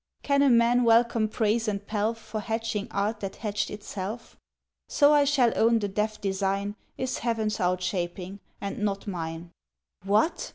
"Can a man welcome praise and pelf For hatching art that hatched itself? ... "So, I shall own the deft design Is Heaven's outshaping, and not mine." "What!"